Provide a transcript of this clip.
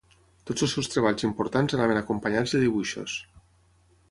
Tots els seus treballs importants anaven acompanyats de dibuixos.